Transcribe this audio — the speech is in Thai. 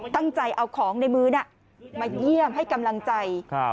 ตั้งใจเอาของในมือน่ะมาเยี่ยมให้กำลังใจ